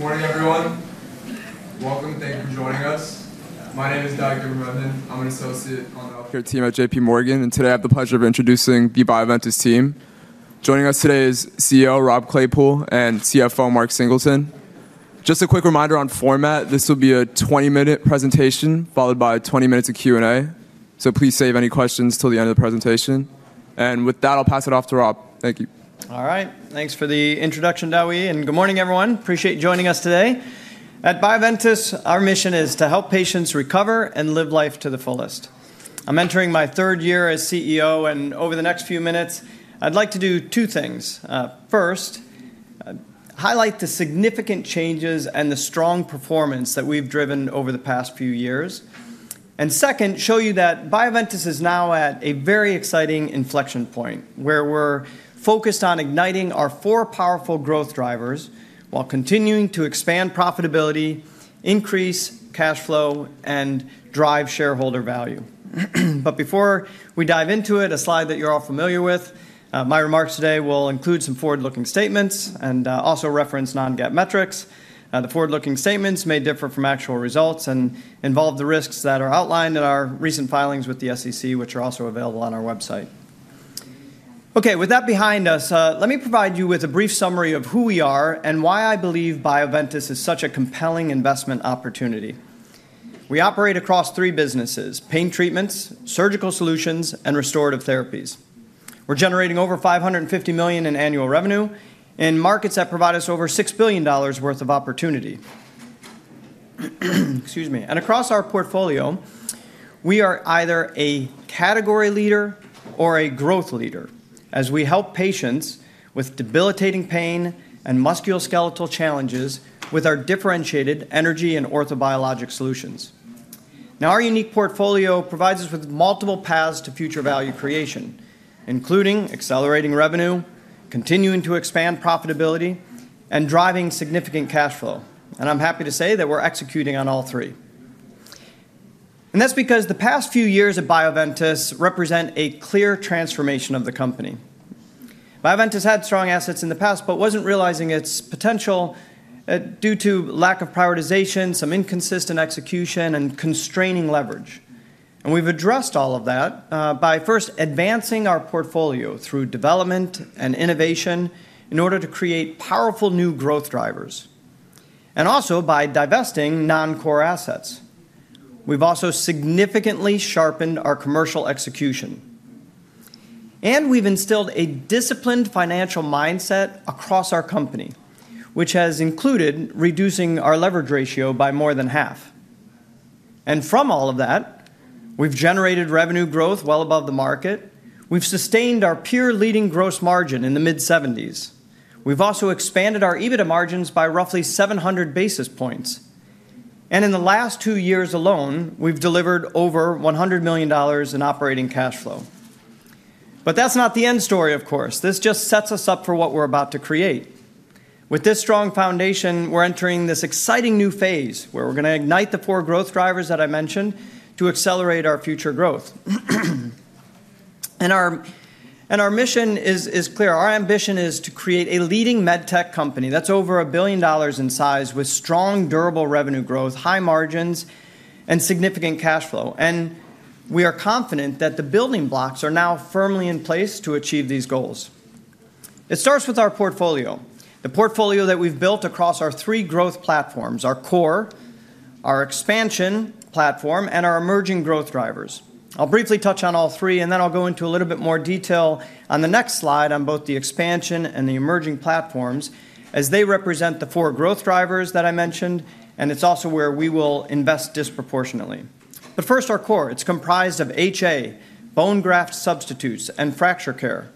Good morning, everyone. Welcome, thank you for joining us. My name is David Brumund. I'm an associate on the healthcare team at J.P. Morgan, and today I have the pleasure of introducing the Bioventus team. Joining us today is CEO Rob Claypoole and CFO Mark Singleton. Just a quick reminder on format: this will be a 20-minute presentation followed by 20 minutes of Q&A, so please save any questions until the end of the presentation. And with that, I'll pass it off to Rob. Thank you. All right, thanks for the introduction, Dave, and good morning, everyone. Appreciate you joining us today. At Bioventus, our mission is to help patients recover and live life to the fullest. I'm entering my third year as CEO, and over the next few minutes, I'd like to do two things. First, highlight the significant changes and the strong performance that we've driven over the past few years. And second, show you that Bioventus is now at a very exciting inflection point, where we're focused on igniting our four powerful growth drivers while continuing to expand profitability, increase cash flow, and drive shareholder value. But before we dive into it, a slide that you're all familiar with. My remarks today will include some forward-looking statements and also reference non-GAAP metrics. The forward-looking statements may differ from actual results and involve the risks that are outlined in our recent filings with the SEC, which are also available on our website. Okay, with that behind us, let me provide you with a brief summary of who we are and why I believe Bioventus is such a compelling investment opportunity. We operate across three businesses: pain treatments, surgical solutions, and restorative therapies. We're generating over $550 million in annual revenue in markets that provide us over $6 billion worth of opportunity. Excuse me, and across our portfolio, we are either a category leader or a growth leader, as we help patients with debilitating pain and musculoskeletal challenges with our differentiated energy and orthobiologic solutions. Now, our unique portfolio provides us with multiple paths to future value creation, including accelerating revenue, continuing to expand profitability, and driving significant cash flow. And I'm happy to say that we're executing on all three. And that's because the past few years at Bioventus represent a clear transformation of the company. Bioventus had strong assets in the past but wasn't realizing its potential due to lack of prioritization, some inconsistent execution, and constraining leverage. And we've addressed all of that by first advancing our portfolio through development and innovation in order to create powerful new growth drivers, and also by divesting non-core assets. We've also significantly sharpened our commercial execution. And we've instilled a disciplined financial mindset across our company, which has included reducing our leverage ratio by more than half. And from all of that, we've generated revenue growth well above the market. We've sustained our peer-leading gross margin in the mid-70s. We've also expanded our EBITDA margins by roughly 700 basis points. And in the last two years alone, we've delivered over $100 million in operating cash flow, but that's not the end story, of course. This just sets us up for what we're about to create. With this strong foundation, we're entering this exciting new phase where we're going to ignite the four growth drivers that I mentioned to accelerate our future growth, and our mission is clear. Our ambition is to create a leading med tech company that's over $1 billion in size, with strong, durable revenue growth, high margins, and significant cash flow, and we are confident that the building blocks are now firmly in place to achieve these goals. It starts with our portfolio, the portfolio that we've built across our three growth platforms: our core, our expansion platform, and our emerging growth drivers. I'll briefly touch on all three, and then I'll go into a little bit more detail on the next slide on both the expansion and the emerging platforms, as they represent the four growth drivers that I mentioned, and it's also where we will invest disproportionately, but first, our core. It's comprised of HA, bone graft substitutes, and fracture care,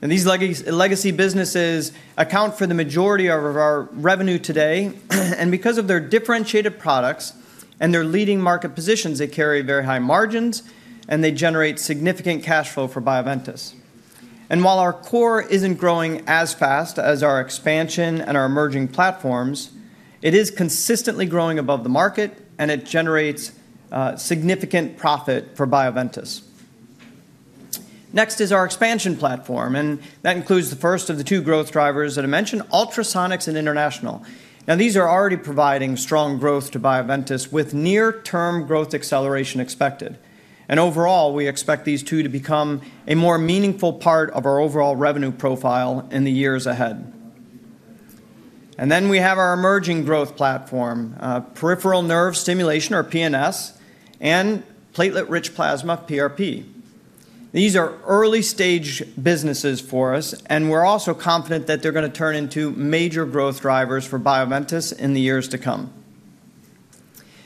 and these legacy businesses account for the majority of our revenue today, and because of their differentiated products and their leading market positions, they carry very high margins, and they generate significant cash flow for Bioventus, and while our core isn't growing as fast as our expansion and our emerging platforms, it is consistently growing above the market, and it generates significant profit for Bioventus. Next is our expansion platform, and that includes the first of the two growth drivers that I mentioned, ultrasonics and international. Now, these are already providing strong growth to Bioventus, with near-term growth acceleration expected. And overall, we expect these two to become a more meaningful part of our overall revenue profile in the years ahead. And then we have our emerging growth platform, peripheral nerve stimulation, or PNS, and platelet-rich plasma, PRP. These are early-stage businesses for us, and we're also confident that they're going to turn into major growth drivers for Bioventus in the years to come.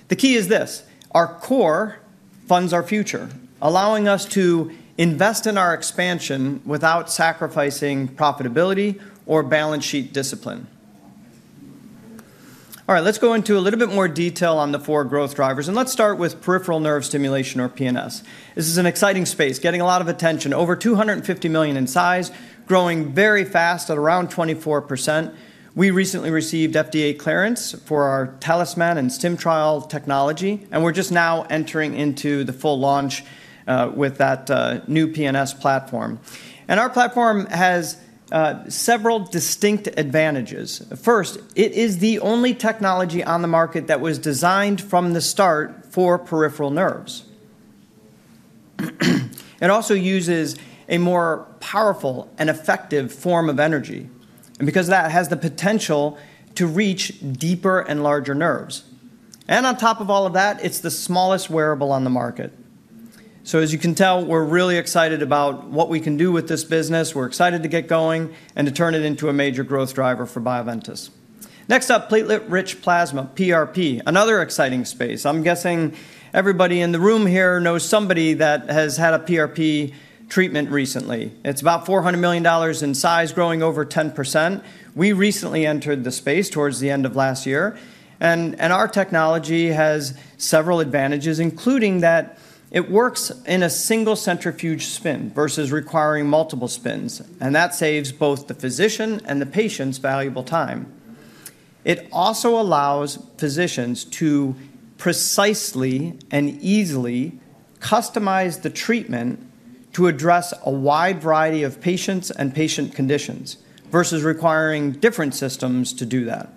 The key is this: our core funds our future, allowing us to invest in our expansion without sacrificing profitability or balance sheet discipline. All right, let's go into a little bit more detail on the four growth drivers, and let's start with peripheral nerve stimulation, or PNS. This is an exciting space, getting a lot of attention, over $250 million in size, growing very fast at around 24%. We recently received FDA clearance for our Talisman and StimTrial technology, and we're just now entering into the full launch with that new PNS platform. And our platform has several distinct advantages. First, it is the only technology on the market that was designed from the start for peripheral nerves. It also uses a more powerful and effective form of energy, and because of that, it has the potential to reach deeper and larger nerves. And on top of all of that, it's the smallest wearable on the market. So, as you can tell, we're really excited about what we can do with this business. We're excited to get going and to turn it into a major growth driver for Bioventus. Next up, platelet-rich plasma, PRP, another exciting space. I'm guessing everybody in the room here knows somebody that has had a PRP treatment recently. It's about $400 million in size, growing over 10%. We recently entered the space towards the end of last year, and our technology has several advantages, including that it works in a single centrifuge spin versus requiring multiple spins, and that saves both the physician and the patient's valuable time. It also allows physicians to precisely and easily customize the treatment to address a wide variety of patients and patient conditions versus requiring different systems to do that.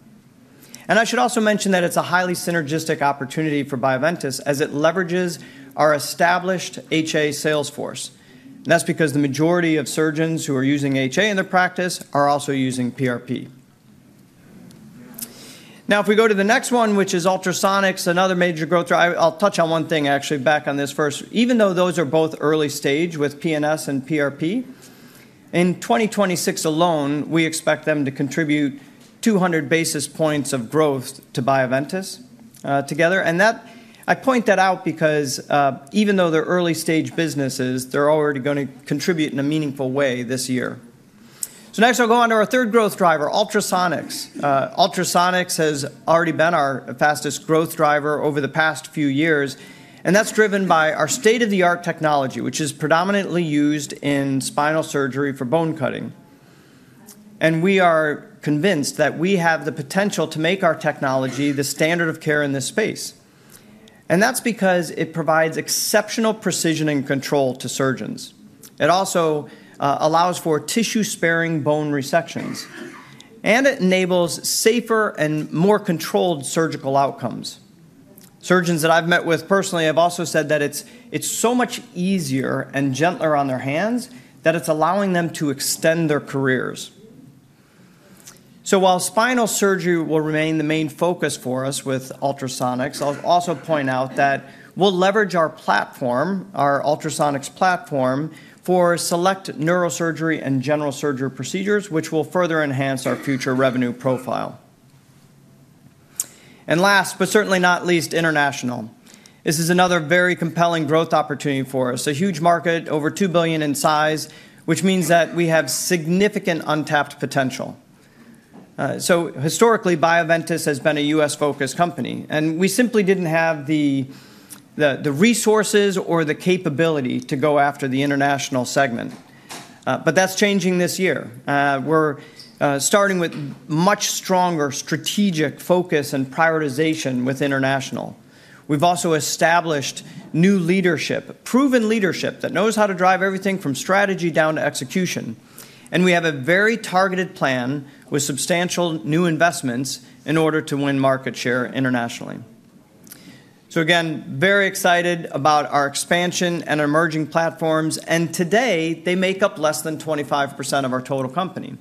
And I should also mention that it's a highly synergistic opportunity for Bioventus, as it leverages our established HA salesforce. And that's because the majority of surgeons who are using HA in their practice are also using PRP. Now, if we go to the next one, which is ultrasonics, another major growth driver, I'll touch on one thing, actually, back on this first. Even though those are both early stage with PNS and PRP, in 2026 alone, we expect them to contribute 200 basis points of growth to Bioventus together. And I point that out because even though they're early-stage businesses, they're already going to contribute in a meaningful way this year. So next, I'll go on to our third growth driver, ultrasonics. Ultrasonics has already been our fastest growth driver over the past few years, and that's driven by our state-of-the-art technology, which is predominantly used in spinal surgery for bone cutting. And we are convinced that we have the potential to make our technology the standard of care in this space. And that's because it provides exceptional precision and control to surgeons. It also allows for tissue-sparing bone resections, and it enables safer and more controlled surgical outcomes. Surgeons that I've met with personally have also said that it's so much easier and gentler on their hands that it's allowing them to extend their careers. So while spinal surgery will remain the main focus for us with ultrasonics, I'll also point out that we'll leverage our platform, our ultrasonics platform, for select neurosurgery and general surgery procedures, which will further enhance our future revenue profile. And last, but certainly not least, international. This is another very compelling growth opportunity for us, a huge market, over $2 billion in size, which means that we have significant untapped potential. So historically, Bioventus has been a U.S.-focused company, and we simply didn't have the resources or the capability to go after the international segment. But that's changing this year. We're starting with much stronger strategic focus and prioritization with international. We've also established new leadership, proven leadership that knows how to drive everything from strategy down to execution. And we have a very targeted plan with substantial new investments in order to win market share internationally. So again, very excited about our expansion and emerging platforms, and today, they make up less than 25% of our total company,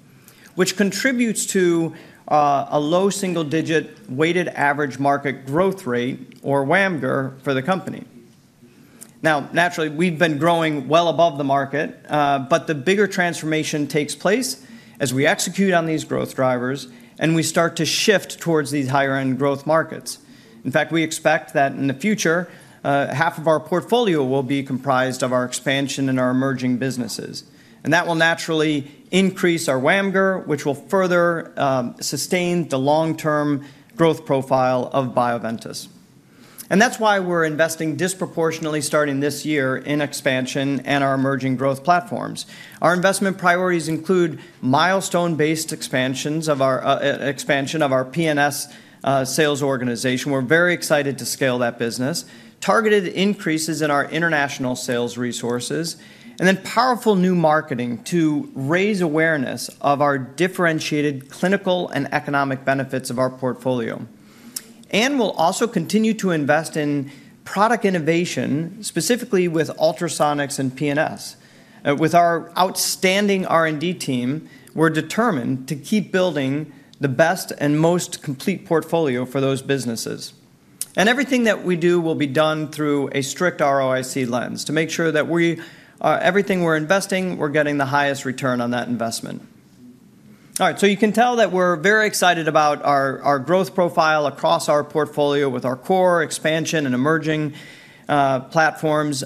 which contributes to a low single-digit weighted average market growth rate, or WAMGR, for the company. Now, naturally, we've been growing well above the market, but the bigger transformation takes place as we execute on these growth drivers and we start to shift towards these higher-end growth markets. In fact, we expect that in the future, half of our portfolio will be comprised of our expansion and our emerging businesses. And that will naturally increase our WAMGR, which will further sustain the long-term growth profile of Bioventus. And that's why we're investing disproportionately starting this year in expansion and our emerging growth platforms. Our investment priorities include milestone-based expansion of our PNS sales organization. We're very excited to scale that business, targeted increases in our international sales resources, and then powerful new marketing to raise awareness of our differentiated clinical and economic benefits of our portfolio. And we'll also continue to invest in product innovation, specifically with Ultrasonics and PNS. With our outstanding R&D team, we're determined to keep building the best and most complete portfolio for those businesses. And everything that we do will be done through a strict ROIC lens to make sure that everything we're investing, we're getting the highest return on that investment. All right, so you can tell that we're very excited about our growth profile across our portfolio with our core, expansion, and emerging platforms.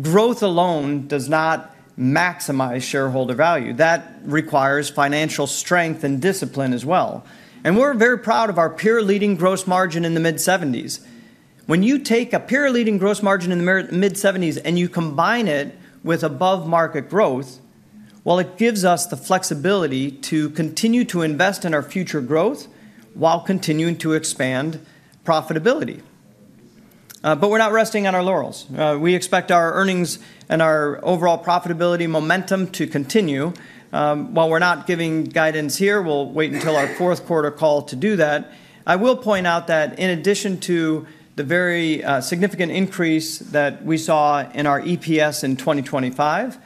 Growth alone does not maximize shareholder value. That requires financial strength and discipline as well. We're very proud of our peer-leading gross margin in the mid-70s%. When you take a peer-leading gross margin in the mid-70s% and you combine it with above-market growth, well, it gives us the flexibility to continue to invest in our future growth while continuing to expand profitability. We're not resting on our laurels. We expect our earnings and our overall profitability momentum to continue. While we're not giving guidance here, we'll wait until our fourth quarter call to do that. I will point out that in addition to the very significant increase that we saw in our EPS in 2025,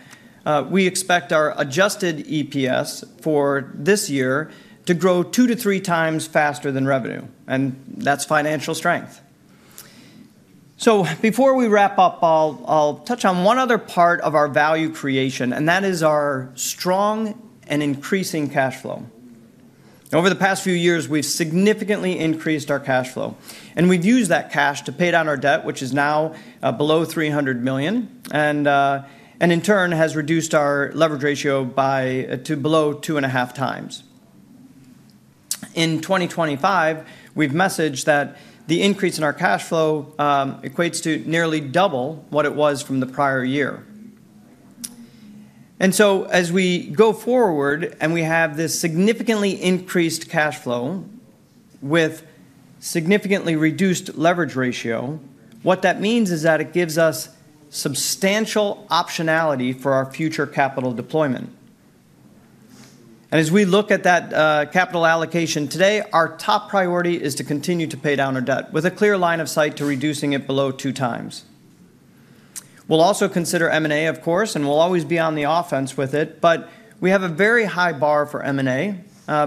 we expect our adjusted EPS for this year to grow two to three times faster than revenue, and that's financial strength. So before we wrap up, I'll touch on one other part of our value creation, and that is our strong and increasing cash flow. Over the past few years, we've significantly increased our cash flow, and we've used that cash to pay down our debt, which is now below $300 million, and in turn, has reduced our leverage ratio to below two and a half times. In 2025, we've messaged that the increase in our cash flow equates to nearly double what it was from the prior year. And so as we go forward and we have this significantly increased cash flow with significantly reduced leverage ratio, what that means is that it gives us substantial optionality for our future capital deployment. And as we look at that capital allocation today, our top priority is to continue to pay down our debt with a clear line of sight to reducing it below two times. We'll also consider M&A, of course, and we'll always be on the offense with it, but we have a very high bar for M&A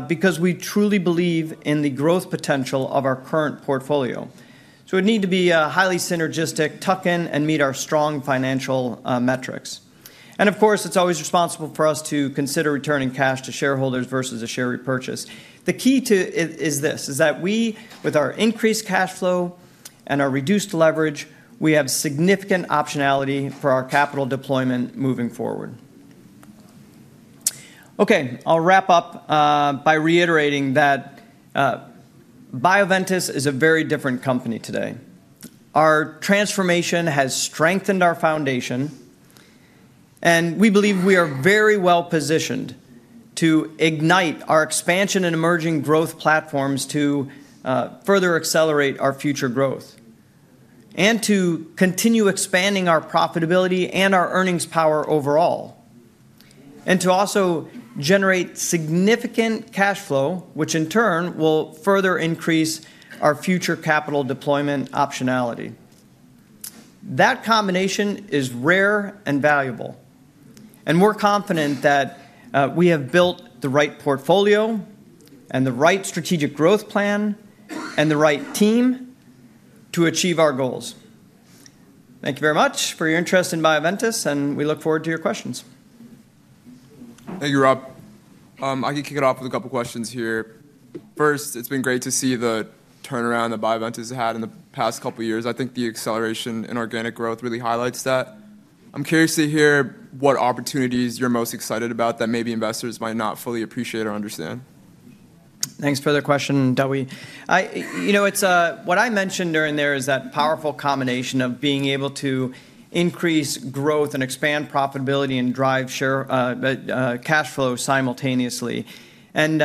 because we truly believe in the growth potential of our current portfolio. So it would need to be highly synergistic, tuck in, and meet our strong financial metrics. And of course, it's always responsible for us to consider returning cash to shareholders versus a share repurchase. The key to it is this: that we, with our increased cash flow and our reduced leverage, have significant optionality for our capital deployment moving forward. Okay, I'll wrap up by reiterating that Bioventus is a very different company today. Our transformation has strengthened our foundation, and we believe we are very well positioned to ignite our expansion and emerging growth platforms to further accelerate our future growth and to continue expanding our profitability and our earnings power overall, and to also generate significant cash flow, which in turn will further increase our future capital deployment optionality. That combination is rare and valuable, and we're confident that we have built the right portfolio and the right strategic growth plan and the right team to achieve our goals. Thank you very much for your interest in Bioventus, and we look forward to your questions. Hey, you're up. I can kick it off with a couple of questions here. First, it's been great to see the turnaround that Bioventus has had in the past couple of years. I think the acceleration in organic growth really highlights that. I'm curious to hear what opportunities you're most excited about that maybe investors might not fully appreciate or understand. Thanks for the question, Dewe. You know, what I mentioned during that is that powerful combination of being able to increase growth and expand profitability and drive cash flow simultaneously. And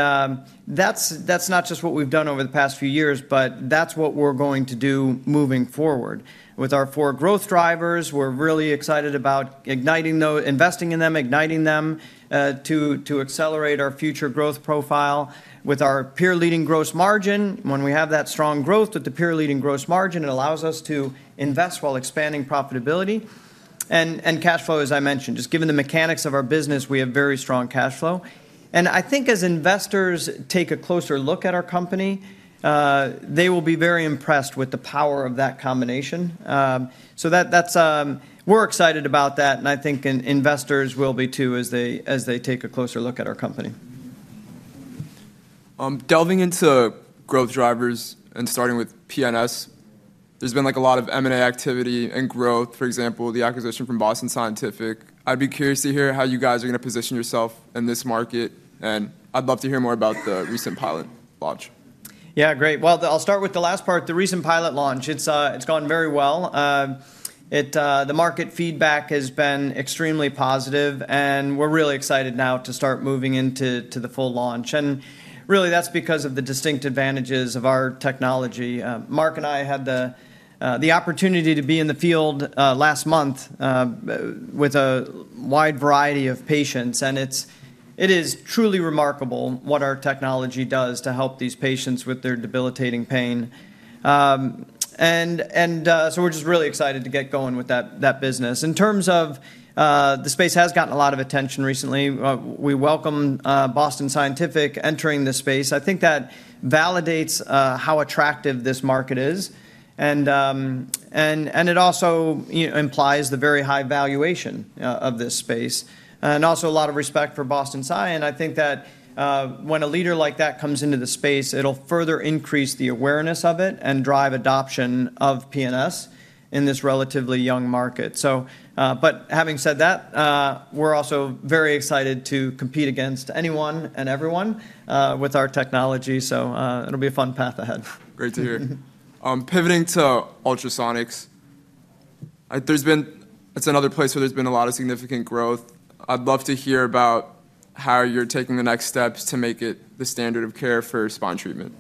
that's not just what we've done over the past few years, but that's what we're going to do moving forward. With our four growth drivers, we're really excited about investing in them, igniting them to accelerate our future growth profile. With our peer-leading gross margin, when we have that strong growth with the peer-leading gross margin, it allows us to invest while expanding profitability and cash flow, as I mentioned. Just given the mechanics of our business, we have very strong cash flow. And I think as investors take a closer look at our company, they will be very impressed with the power of that combination. So we're excited about that, and I think investors will be too as they take a closer look at our company. Delving into growth drivers and starting with PNS, there's been a lot of M&A activity and growth. For example, the acquisition from Boston Scientific. I'd be curious to hear how you guys are going to position yourself in this market, and I'd love to hear more about the recent pilot launch. Yeah, great. Well, I'll start with the last part, the recent pilot launch. It's gone very well. The market feedback has been extremely positive, and we're really excited now to start moving into the full launch. And really, that's because of the distinct advantages of our technology. Mark and I had the opportunity to be in the field last month with a wide variety of patients, and it is truly remarkable what our technology does to help these patients with their debilitating pain. And so we're just really excited to get going with that business. In terms of the space, it has gotten a lot of attention recently. We welcomed Boston Scientific entering the space. I think that validates how attractive this market is, and it also implies the very high valuation of this space, and also a lot of respect for Boston Sci. And I think that when a leader like that comes into the space, it'll further increase the awareness of it and drive adoption of PNS in this relatively young market. But having said that, we're also very excited to compete against anyone and everyone with our technology, so it'll be a fun path ahead. Great to hear. Pivoting to Ultrasonics, it's another place where there's been a lot of significant growth. I'd love to hear about how you're taking the next steps to make it the standard of care for spine treatment.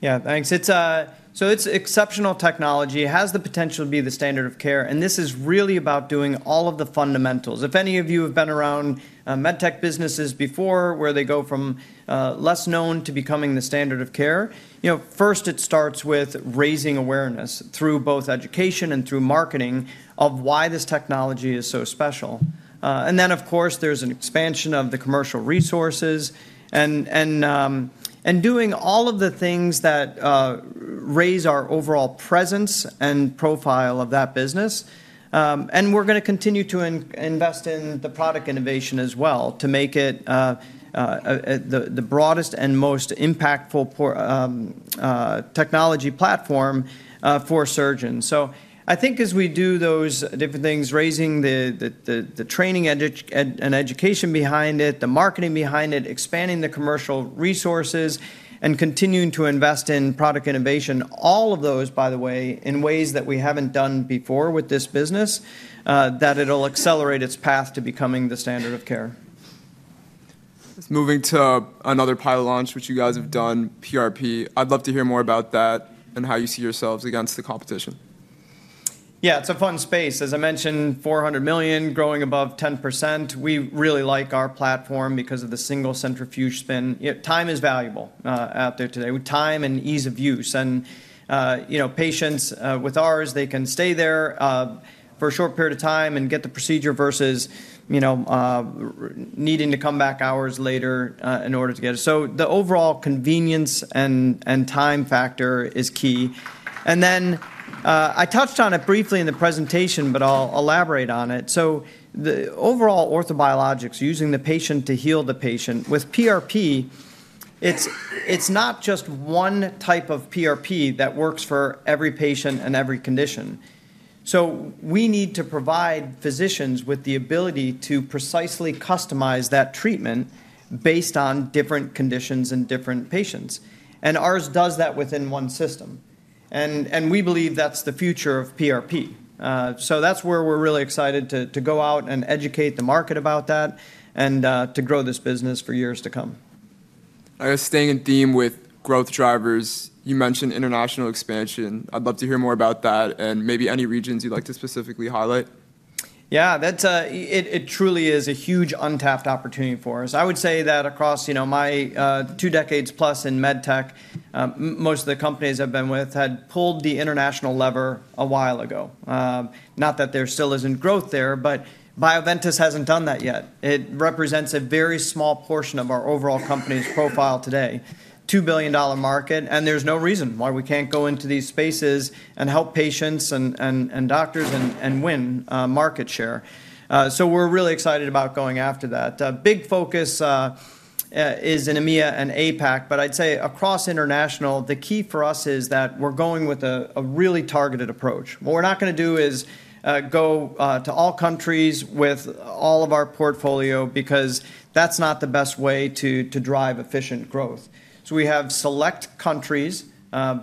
Yeah, thanks. So it's exceptional technology. It has the potential to be the standard of care, and this is really about doing all of the fundamentals. If any of you have been around med tech businesses before where they go from less known to becoming the standard of care, first, it starts with raising awareness through both education and through marketing of why this technology is so special. And then, of course, there's an expansion of the commercial resources and doing all of the things that raise our overall presence and profile of that business. And we're going to continue to invest in the product innovation as well to make it the broadest and most impactful technology platform for surgeons. So I think as we do those different things, raising the training and education behind it, the marketing behind it, expanding the commercial resources, and continuing to invest in product innovation, all of those, by the way, in ways that we haven't done before with this business, that it'll accelerate its path to becoming the standard of care. Moving to another pilot launch, which you guys have done, PRP. I'd love to hear more about that and how you see yourselves against the competition. Yeah, it's a fun space. As I mentioned, $400 million, growing above 10%. We really like our platform because of the single centrifuge spin. Time is valuable out there today, with time and ease of use. And patients with ours, they can stay there for a short period of time and get the procedure versus needing to come back hours later in order to get it. So the overall convenience and time factor is key. And then I touched on it briefly in the presentation, but I'll elaborate on it. So the overall orthobiologics, using the patient to heal the patient. With PRP, it's not just one type of PRP that works for every patient and every condition. So we need to provide physicians with the ability to precisely customize that treatment based on different conditions and different patients. And ours does that within one system. We believe that's the future of PRP. That's where we're really excited to go out and educate the market about that and to grow this business for years to come. I guess staying in theme with growth drivers, you mentioned international expansion. I'd love to hear more about that and maybe any regions you'd like to specifically highlight. Yeah, it truly is a huge untapped opportunity for us. I would say that across my two decades plus in med tech, most of the companies I've been with had pulled the international lever a while ago. Not that there still isn't growth there, but Bioventus hasn't done that yet. It represents a very small portion of our overall company's profile today, $2 billion market, and there's no reason why we can't go into these spaces and help patients and doctors and win market share. So we're really excited about going after that. Big focus is in EMEA and APAC, but I'd say across international, the key for us is that we're going with a really targeted approach. What we're not going to do is go to all countries with all of our portfolio because that's not the best way to drive efficient growth. We have select countries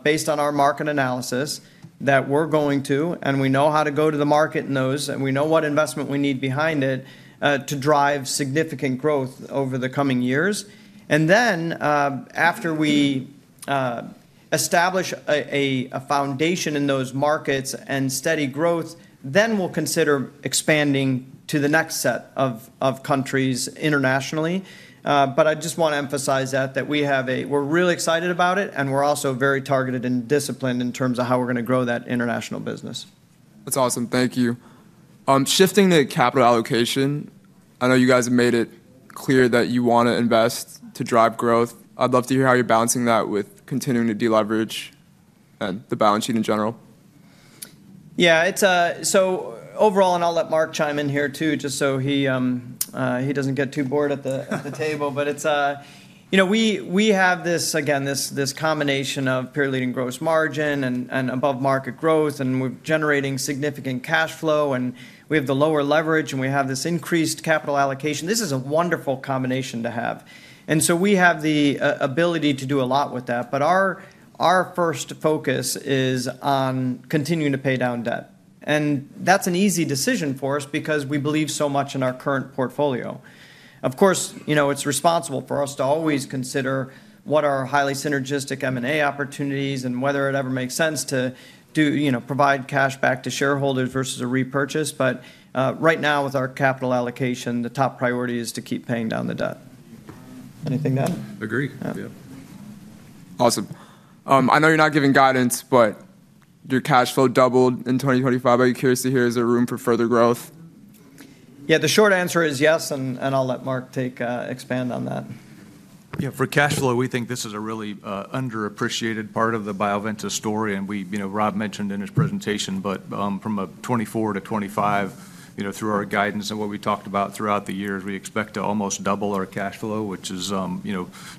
based on our market analysis that we're going to, and we know how to go to the market in those, and we know what investment we need behind it to drive significant growth over the coming years. Then after we establish a foundation in those markets and steady growth, we'll consider expanding to the next set of countries internationally. I just want to emphasize that we're really excited about it, and we're also very targeted and disciplined in terms of how we're going to grow that international business. That's awesome. Thank you. Shifting the capital allocation, I know you guys have made it clear that you want to invest to drive growth. I'd love to hear how you're balancing that with continuing to deleverage and the balance sheet in general. Yeah, so overall, and I'll let Mark chime in here too, just so he doesn't get too bored at the table. But we have this, again, this combination of peer-leading gross margin and above-market growth, and we're generating significant cash flow, and we have the lower leverage, and we have this increased capital allocation. This is a wonderful combination to have. And so we have the ability to do a lot with that, but our first focus is on continuing to pay down debt. And that's an easy decision for us because we believe so much in our current portfolio. Of course, it's responsible for us to always consider what our highly synergistic M&A opportunities and whether it ever makes sense to provide cash back to shareholders versus a repurchase. But right now, with our capital allocation, the top priority is to keep paying down the debt. Anything to add? Agree. Yeah. Awesome. I know you're not giving guidance, but your cash flow doubled in 2025. Are you curious to hear? Is there room for further growth? Yeah, the short answer is yes, and I'll let Mark expand on that. Yeah, for cash flow, we think this is a really underappreciated part of the Bioventus story, and Rob mentioned in his presentation, but from 2024 to 2025, through our guidance and what we talked about throughout the years, we expect to almost double our cash flow, which is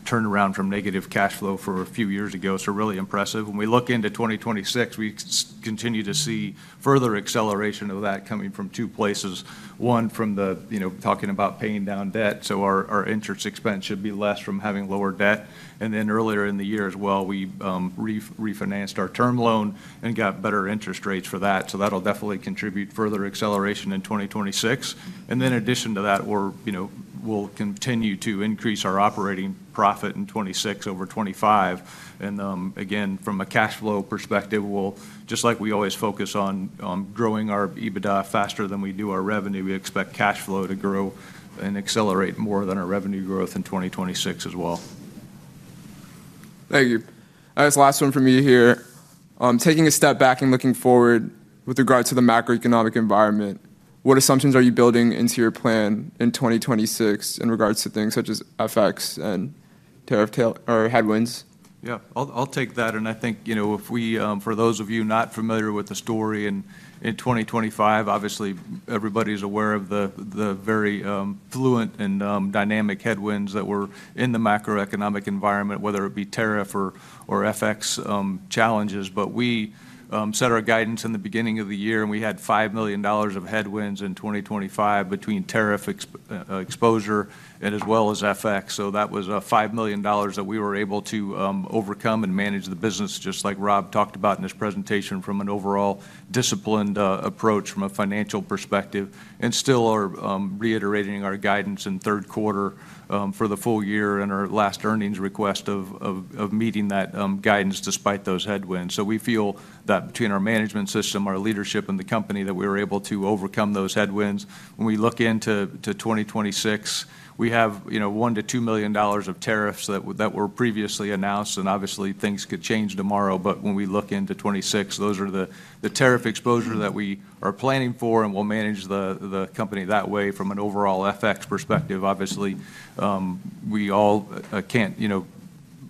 turned around from negative cash flow for a few years ago. So really impressive. When we look into 2026, we continue to see further acceleration of that coming from two places. One, from talking about paying down debt, so our interest expense should be less from having lower debt. And then earlier in the year as well, we refinanced our term loan and got better interest rates for that. So that'll definitely contribute further acceleration in 2026. And then in addition to that, we'll continue to increase our operating profit in 2026 over 2025. And again, from a cash flow perspective, just like we always focus on growing our EBITDA faster than we do our revenue, we expect cash flow to grow and accelerate more than our revenue growth in 2026 as well. Thank you. I guess last one from you here. Taking a step back and looking forward with regard to the macroeconomic environment, what assumptions are you building into your plan in 2026 in regards to things such as FX and tariff headwinds? Yeah, I'll take that. And I think for those of you not familiar with the story in 2025, obviously everybody's aware of the very fluid and dynamic headwinds that were in the macroeconomic environment, whether it be tariff or FX challenges. But we set our guidance in the beginning of the year, and we had $5 million of headwinds in 2025 between tariff exposure and as well as FX. That was $5 million that we were able to overcome and manage the business, just like Rob talked about in his presentation, from an overall disciplined approach from a financial perspective. We still are reiterating our guidance in third quarter for the full year and our last earnings request of meeting that guidance despite those headwinds. We feel that between our management system, our leadership, and the company that we were able to overcome those headwinds. When we look into 2026, we have $1–$2 million of tariffs that were previously announced, and obviously things could change tomorrow. But when we look into 2026, those are the tariff exposure that we are planning for, and we'll manage the company that way from an overall FX perspective. Obviously, we all can't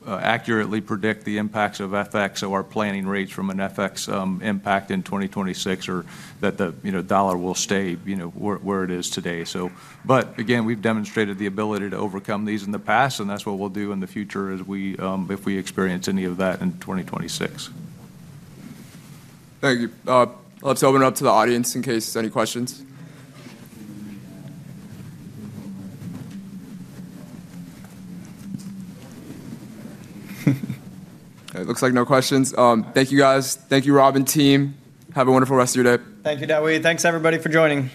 accurately predict the impacts of FX, so our planning rates from an FX impact in 2026 or that the dollar will stay where it is today. But again, we've demonstrated the ability to overcome these in the past, and that's what we'll do in the future if we experience any of that in 2026. Thank you. Let's open it up to the audience in case there's any questions. It looks like no questions. Thank you, guys. Thank you, Rob and team. Have a wonderful rest of your day. Thank you, Dave. Thanks, everybody, for joining.